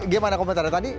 gimana komentar tadi